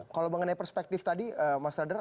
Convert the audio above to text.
kalau mengenai perspektif tadi mas radar